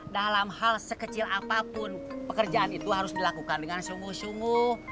dalam hal sekecil apapun pekerjaan itu harus dilakukan dengan sungguh sungguh